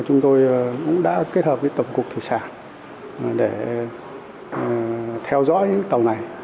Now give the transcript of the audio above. chúng tôi cũng đã kết hợp với tổng cục thủy sản để theo dõi những tàu này